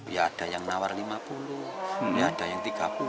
ya ada yang nawar lima puluh ada yang tiga puluh